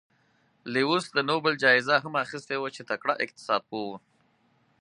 لیوس د نوبل جایزه هم اخیستې وه چې تکړه اقتصاد پوه و.